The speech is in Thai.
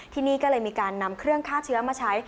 ที่นี่ก็เลยมีการนำเครื่องฆ่าเชื้อมาใช้